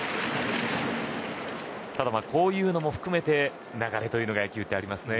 ただ、こういうのも含めて流れというのが野球にはありますね。